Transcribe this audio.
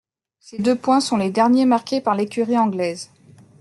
Ces deux points sont les derniers marqués par l'écurie anglaise.